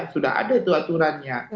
sudah ada itu aturannya